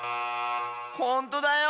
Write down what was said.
ほんとだよ！